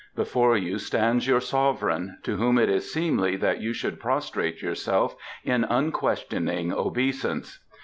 Before you stands your sovereign, to whom it is seemly that you should prostrate yourself in unquestioning obeisance.